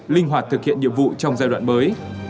linh hoạt thực hiện nhiệm vụ trong giai đoạn mới